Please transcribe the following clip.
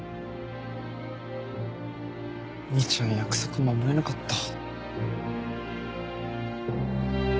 兄ちゃん約束守れなかった。